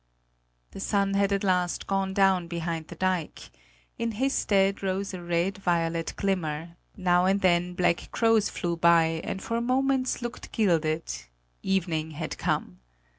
The sun had at last gone down behind the dike; in his stead rose a red violet glimmer; now and then black crows flew by and for moments looked gilded: evening had come.